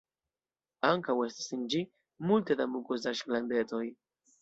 Ankaŭ estas en ĝi multe da mukozaĵ-glandetoj.